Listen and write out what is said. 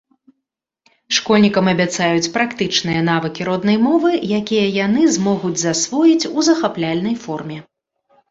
Школьнікам абяцаюць практычныя навыкі роднай мовы, якія яны змогуць засвоіць у захапляльнай форме.